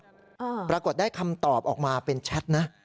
ปรากฏได้คำตอบออกมาเป็นแชทนะ